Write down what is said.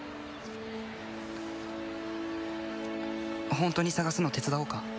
ホントに捜すの手伝おうか？